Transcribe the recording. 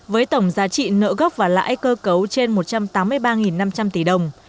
với tổng giá trị nợ gốc và lãi cơ cấu trên một trăm tám mươi ba năm trăm linh tỷ đồng